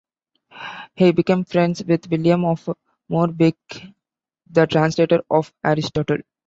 He became friends with William of Moerbeke, the translator of Aristotle.